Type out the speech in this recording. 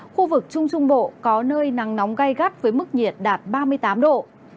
khu vực trung trung bộ có nơi nắng nóng gai gắt với mức nhiệt đạt ba mươi tám độ